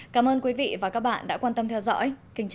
cảm ơn quý vị và các bạn đã quan tâm theo dõi